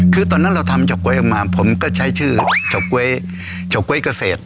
คือตอนนั้นเราทำเฉาก๊วยออกมาผมก็ใช้ชื่อเฉาก๊วยเฉาก๊วยเกษตร